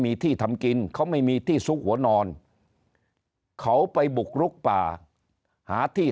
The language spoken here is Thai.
มีที่ทำกินเขาไม่มีที่ซุกหัวนอนเขาไปบุกลุกป่าหาที่